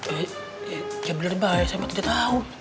iya bener bay saya mah tidak tau